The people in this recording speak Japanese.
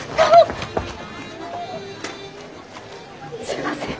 すいません。